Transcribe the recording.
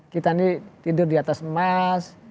kita ini tidur di atas emas